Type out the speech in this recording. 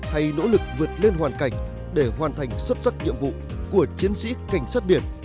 hay nỗ lực vượt lên hoàn cảnh để hoàn thành xuất sắc nhiệm vụ của chiến sĩ cảnh sát biển